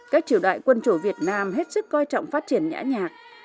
các triều đại quân chủ việt nam hết sức coi trọng phát triển nhã nhạc